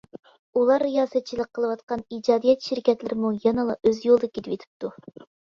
ئۇلار رىياسەتچىلىك قىلىۋاتقان ئىجادىيەت شىركەتلىرىمۇ يەنىلا ئۆز يولىدا كېتىۋېتىپتۇ.